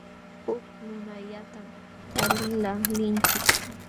Huk nunallatam taliqlaalinchik.